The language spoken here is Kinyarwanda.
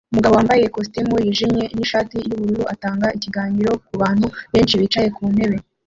Umugabo wambaye ikositimu yijimye nishati yubururu atanga ikiganiro kubantu benshi bicaye ku ntebe